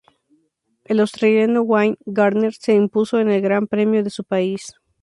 El australiano Wayne Gardner se impuso en el Gran Premio de su país.